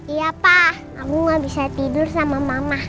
iya pak kamu gak bisa tidur sama mama